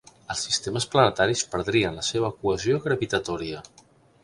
Els sistemes planetaris perdrien la seva cohesió gravitatòria.